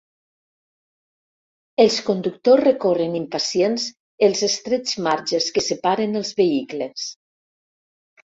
Els conductors recorren impacients els estrets marges que separen els vehicles.